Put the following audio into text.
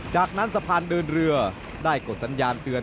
จากนั้นสะพานเดินเรือได้กดสัญญาณเตือน